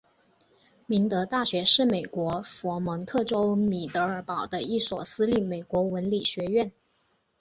明德大学是美国佛蒙特州米德尔堡的一所私立美国文理学院。